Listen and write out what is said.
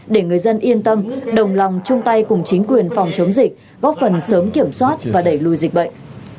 để người dân yên tâm đồng lòng chung tay cùng chính quyền phòng chống dịch góp phần sớm kiểm soát và đẩy lùi dịch bệnh